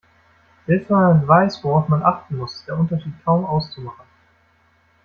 Selbst wenn man weiß, worauf man achten muss, ist der Unterschied kaum auszumachen.